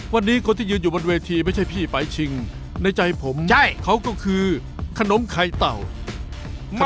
วันนี้คนที่ยืนอยู่บนเวทีไม่ใช่พี่ไปชิงในใจผมเขาก็คือขนมไข่เต่า